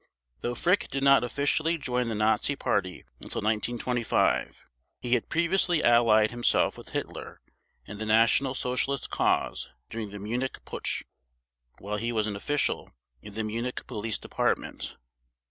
Though Frick did not officially join the Nazi Party until 1925, he had previously allied himself with Hitler and the National Socialist cause during the Munich Putsch, while he was an official in the Munich Police Department.